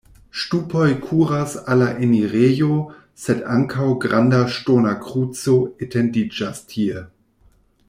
Ŝtupoj kuras al la enirejo, sed ankaŭ granda ŝtona kruco etendiĝas tie.